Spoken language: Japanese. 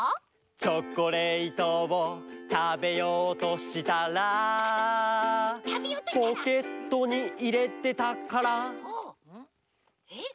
チョコレートをたべようとしたらポケットにいれてたからえっ？